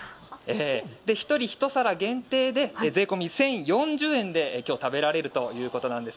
１人１皿限定で税込み１０４０円で今日食べられるということです。